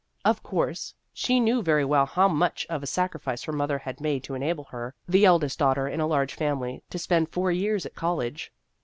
Of course, she knew very well how much of a sacrifice her mother had made to enable her, the eld est daughter in a large family, to spend four years at college.